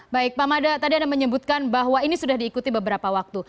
baik pak mada tadi anda menyebutkan bahwa ini sudah diikuti beberapa waktu